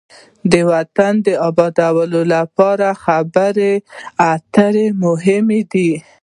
د وطن د آباد لپاره خبرې اترې مهمې دي.